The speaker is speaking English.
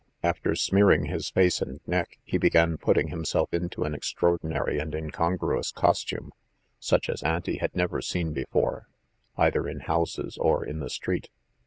After smearing his face and neck, he began putting himself into an extraordinary and incongruous costume, such as Auntie had never seen before, either in houses or in the street.